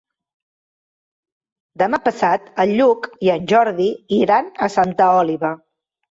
Demà passat en Lluc i en Jordi iran a Santa Oliva.